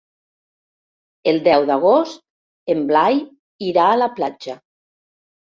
El deu d'agost en Blai irà a la platja.